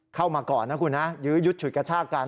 เข้ามาก่อนนะคุณนะยื้อยุดฉุดกระชากัน